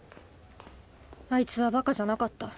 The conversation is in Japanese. アイツはバカじゃなかった。